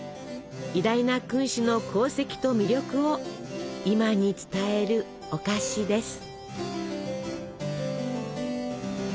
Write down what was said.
偉大な君主の功績と魅力を今に伝えるお菓子です。